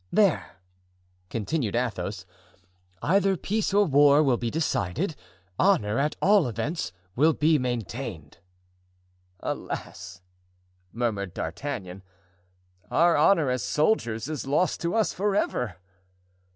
"There," continued Athos, "either peace or war will be decided; honor, at all events, will be maintained!" "Alas!" murmured D'Artagnan, "our honor as soldiers is lost to us forever!"